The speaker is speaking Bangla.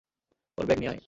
ওর ব্যাগ নিয়ে আয়।